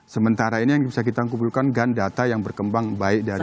sementara ini yang bisa kita kumpulkan kan data yang berkembang baik dari